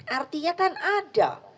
artinya kan ada